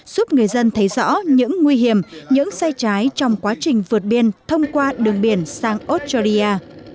giúp người dân thấy rõ những nguy hiểm những sai trái trong quá trình vượt biên thông qua đường biển sang australia